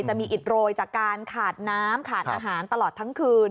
อิดโรยจากการขาดน้ำขาดอาหารตลอดทั้งคืน